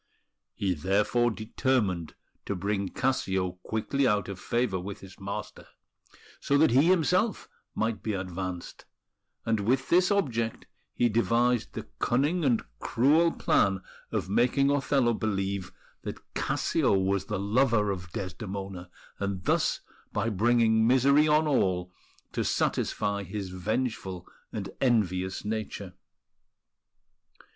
He therefore determined to bring Cassio quickly out of favour with his master, so that he himself might be advanced; and with this object he devised the cunning and cruel plan of making Othello believe that Cassio was the lover of Desdemona, and thus, by bringing misery on all, to satisfy his vengeful and envious nature.